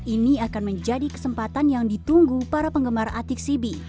ini akan menjadi kesempatan yang ditunggu para penggemar atik sibi